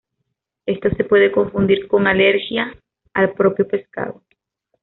Esto se puede confundir con alergia al propio pescado.